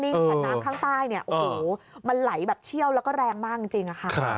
แต่น้ำข้างใต้เนี่ยโอ้โหมันไหลแบบเชี่ยวแล้วก็แรงมากจริงค่ะ